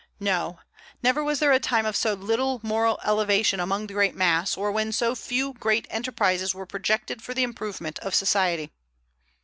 No; never was there a time of so little moral elevation among the great mass, or when so few great enterprises were projected for the improvement of society.